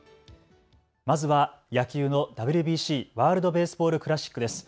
まずは野球のＷＢＣ・ワールド・ベースボール・クラシックです。